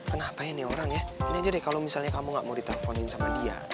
kenapa ya nih orang ya ini aja deh kalo misalnya kamu gak mau di tafonin sama dia